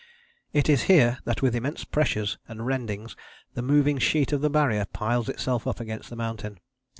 It is here that with immense pressures and rendings the moving sheet of the Barrier piles itself up against the mountain.